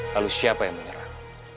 lalu siapa yang menyerang